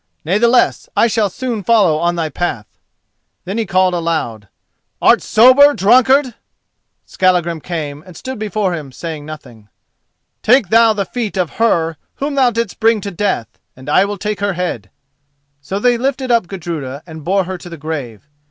Natheless, I shall soon follow on thy path." Then he called aloud: "Art sober, drunkard?" Skallagrim came and stood before him, saying nothing. "Take thou the feet of her whom thou didst bring to death, and I will take her head." So they lifted up Gudruda and bore her to the grave.